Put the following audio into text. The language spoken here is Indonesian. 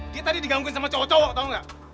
dia tadi digangguin sama cowok cowok tau nggak